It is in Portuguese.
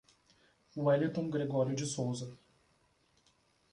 Welliton Gregorio de Souza